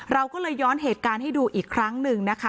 เราก็เลยย้อนเหตุการณ์ให้ดูอีกครั้งหนึ่งนะคะ